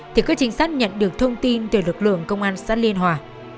thì các trinh sát nhận được thông tin từ lực lượng công an xã liên hòa